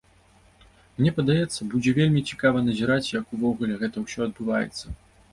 Мне падаецца, будзе вельмі цікава назіраць, як увогуле гэта ўсё адбываецца.